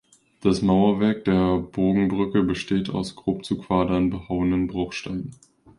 Das Mauerwerk der Bogenbrücke besteht aus grob zu Quadern behauenem Bruchstein.